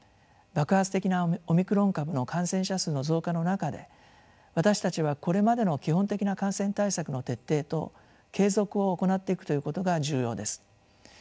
爆発的なオミクロン株の感染者数の増加の中で私たちはこれまでの基本的な感染対策の徹底と継続を行っていくということが重要です。